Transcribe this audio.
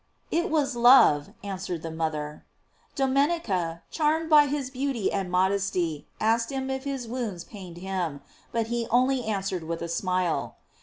"It was love," answered the moth er. Domenica, charmed by his beauty and mod* esty, asked him if his wounds pained him; but he only answered with a smile.